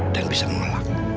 dan bisa mengelak